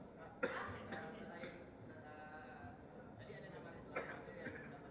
tadi ada nama yang terakhir yang kita pencar sekarang juga di dki jakarta